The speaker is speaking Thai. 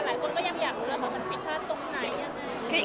หลายคนก็ยังไม่อยากรู้ว่ามันมันปิดตรงไหน